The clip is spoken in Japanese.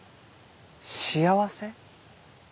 幸せ？